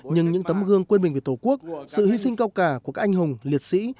nhưng những tấm gương quên mình về tổ quốc sự hy sinh cao cả của các anh hùng liệt sĩ